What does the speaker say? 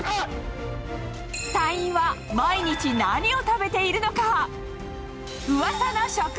隊員は、毎日何を食べているのか。